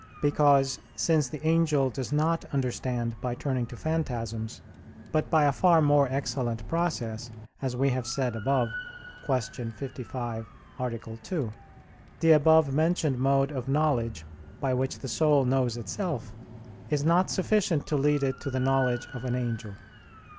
Because, since the angel does not understand by turning to phantasms, but by a far more excellent process, as we have said above (Q. 55, A. 2); the above mentioned mode of knowledge, by which the soul knows itself, is not sufficient to lead it to the knowledge of an angel.